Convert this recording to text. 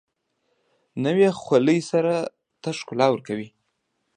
نوې خولۍ سر ته ښکلا ورکوي